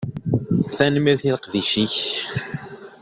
Tanemmirt i leqdic-ik.